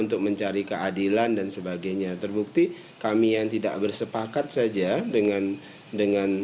untuk mencari keadilan dan sebagainya terbukti kami yang tidak bersepakat saja dengan dengan